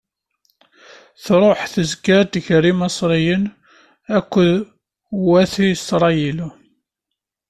Tṛuḥ tezga-d gar Imaṣriyen akked wat Isṛayil.